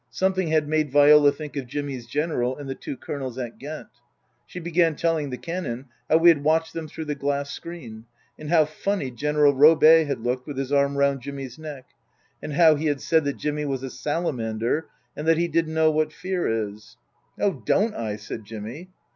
Something had made Viola think of Jimmy's General and the two Colonels at Ghent. She began telling the Canon how we had watched them through the glass screen, and how funny General Roubaix had looked with his arm round Jimmy's neck, and how he had said that Jimmy was a salamander, and that he didn't know what fear is. " Oh, don't I !" said Jimmy.